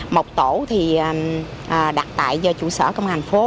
một tổ thì đặt tại do chủ sở công an phố